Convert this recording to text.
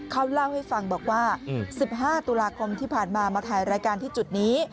เขาเล่าให้ฟังบอกว่า๑๕ตุลาคมที่ผ่านมามาถ่ายรายการที่จุดนี้